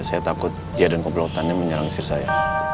saya takut dia dan keblotannya menyerang istri saya